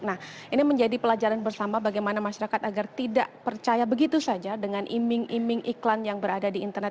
nah ini menjadi pelajaran bersama bagaimana masyarakat agar tidak percaya begitu saja dengan iming iming iklan yang berada di internet